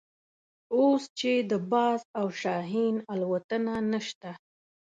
اوس چې د باز او شاهین الوتنه نشته.